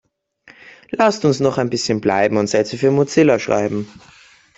Lasst uns noch ein bisschen bleiben und Sätze für Mozilla schreiben.